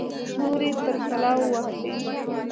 نورې تر کلا واوښتې.